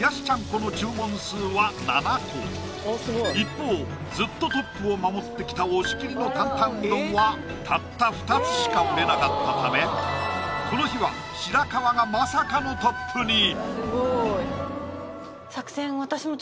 この注文数は７個一方ずっとトップを守ってきた押切の坦々うどんはたった２つしか売れなかったためこの日は白川がまさかのトップに！